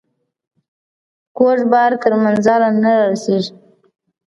کوږ بار تر منزله نه رارسيږي.